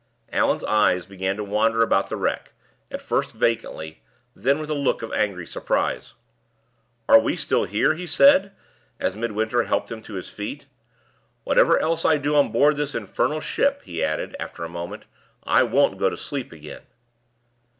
Allan's eyes began to wander about the wreck, at first vacantly, then with a look of angry surprise. "Are we here still?" he said, as Midwinter helped him to his feet. "Whatever else I do on board this infernal ship," he added, after a moment, "I won't go to sleep again!"